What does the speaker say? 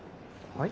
はい？